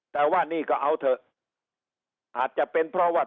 แต่ว่านี่ก็เอาเถอะอาจจะเป็นเพราะว่า